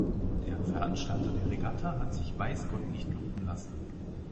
Der Veranstalter der Regatta hat sich weiß Gott nicht lumpen lassen.